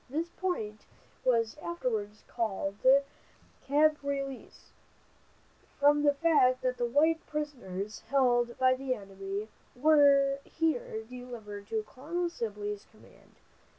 This point was afterwards called "Camp Release," from the fact that the white prisoners held by the enemy were here delivered to Colonel Sibley's command.